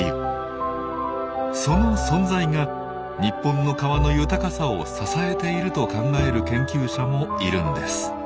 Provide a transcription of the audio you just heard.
その存在が日本の川の豊かさを支えていると考える研究者もいるんです。